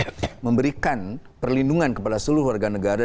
untuk memberikan perlindungan kepada seluruh warga negara